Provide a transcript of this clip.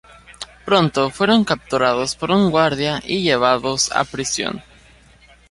Pronto fueron capturados por un guardia y llevados a prisión.